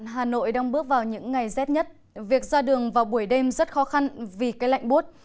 hà nội đang bước vào những ngày rét nhất việc ra đường vào buổi đêm rất khó khăn vì cái lạnh bút